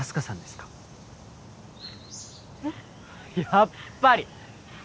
やっぱり！